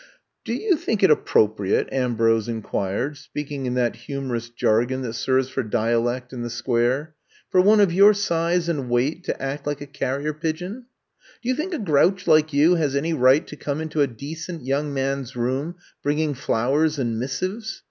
*'Do you think it appropriate,'* Am brose inquired, speaking in that humorous jargon that serves for dialect in the Square, ^'foir one of your size and weight to act like a carrier pigeon I Do you think a grouch like you has any right to come into a decent young man's room bringing flowers and missives?